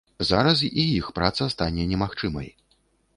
Зараз і іх праца стане немагчымай.